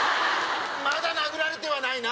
まだ殴られてはないな。